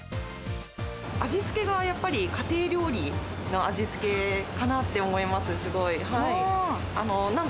味付けがやっぱり、家庭料理な味付けかなと思います、すごい。